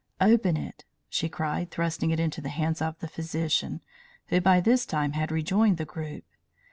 "Open it!" she cried, thrusting it into the hands of the physician, who by this time had rejoined the group.